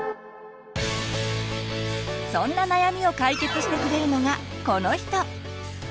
そんな悩みを解決してくれるのがこの人！